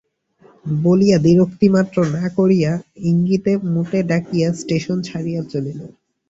বলিয়া দ্বিরুক্তিমাত্র না করিয়া ইঈিতে মুটে ডাকিয়া স্টেশন ছাড়িয়া চলিল।